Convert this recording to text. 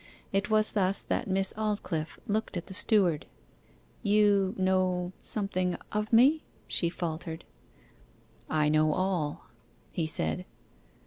It was thus that Miss Aldclyffe looked at the steward. 'You know something of me?' she faltered. 'I know all,' he said.